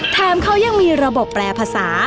แถมเขายังมีระบบแปลภาษา